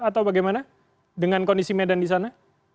atau bagaimana dengan kondisi medan di sana